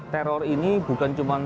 teror ini bukan cuman